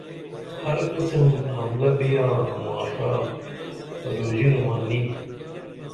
ہر قسم حملہ بیاں اما ݜا پروژینُمہ نی